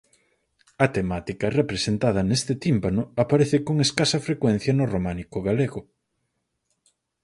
A temática representada neste tímpano aparece con escasa frecuencia no románico galego.